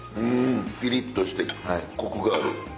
ピリっとしてコクがある。